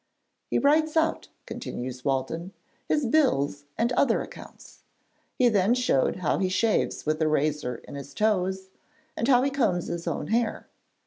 He writes out,' continues Walton, 'his bills and other accounts. He then showed how he shaves with a razor in his toes, and how he combs his own hair.